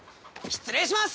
失礼します！